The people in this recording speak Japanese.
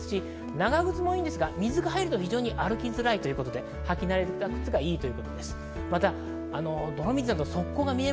長靴もいいですが、水が入ると歩きづらいということで履きなれた靴がいいでしょう。